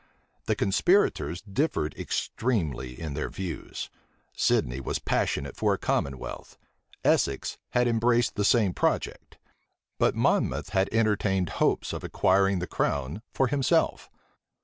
The conspirators differed extremely in their views. Sidney was passionate for a commonwealth. Essex had embraced the same project. But Monmouth had entertained hopes of acquiring the crown for himself.